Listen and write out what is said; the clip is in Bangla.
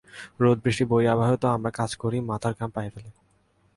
রোদ বৃষ্টি বৈরি আবহাওয়াতেও আমরা কাজ করি মাথার ঘাম পায়ে ফেলি।